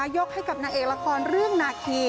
ยกให้กับนางเอกละครเรื่องนาคี